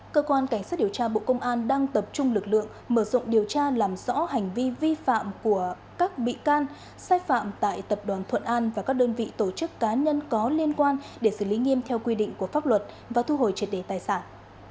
cơ quan cảnh sát điều tra bộ công an đang tập trung lực lượng mở rộng điều tra làm rõ hành vi vi phạm của các bị can sai phạm tại tập đoàn thuận an và các đơn vị tổ chức cá nhân có liên quan để xử lý nghiêm theo quy định của pháp luật và thu hồi triệt đề tài sản